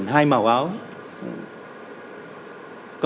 która đồng tất là côngro